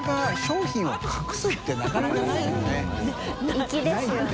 粋ですよね。